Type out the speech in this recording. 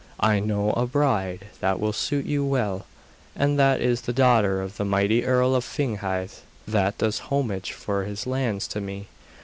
I know a bride that will suit you well, and that is the daughter of the mighty earl of Finghaidh, that does homage for his lands to me.